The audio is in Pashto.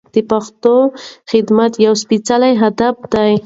د پښتو خدمت یو سپېڅلی هدف دی.